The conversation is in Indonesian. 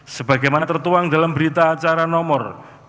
sebagaimana tertuang dalam berita acara nomor dua ratus lima puluh dua